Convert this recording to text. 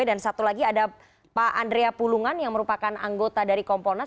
dan satu lagi ada pak andrea pulungan yang merupakan anggota dari komponas